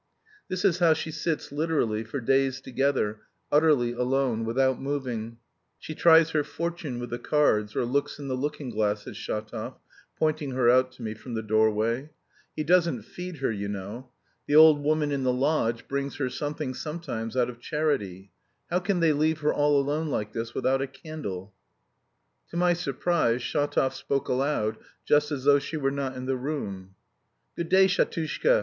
"This is how she sits literally for days together, utterly alone, without moving; she tries her fortune with the cards, or looks in the looking glass," said Shatov, pointing her out to me from the doorway. "He doesn't feed her, you know. The old woman in the lodge brings her something sometimes out of charity; how can they leave her all alone like this with a candle!" To my surprise Shatov spoke aloud, just as though she were not in the room. "Good day, Shatushka!"